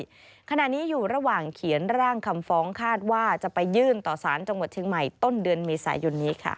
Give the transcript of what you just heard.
ขณะนี้อยู่ระหว่างเขียนร่างคำฟ้องคาดว่าจะไปยื่นต่อสารจังหวัดเชียงใหม่ต้นเดือนเมษายนนี้ค่ะ